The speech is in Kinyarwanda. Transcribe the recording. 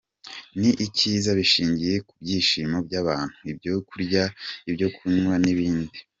Ni cyiza bishingiye ku byishimo by’abantu, ibyo kurya, ibyo kunywa n’ibindi”.